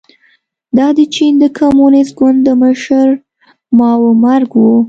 دا د چین د کمونېست ګوند د مشر ماوو مرګ و.